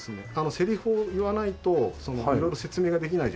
セリフを言わないと色々説明ができないじゃないですか。